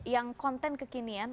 yang konten kekinian